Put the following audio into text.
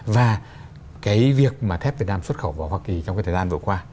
và cái việc mà thép việt nam xuất khẩu vào hoa kỳ trong cái thời gian vừa qua